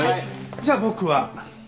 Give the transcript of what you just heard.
じゃあ僕は。